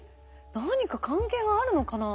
何か関係があるのかな？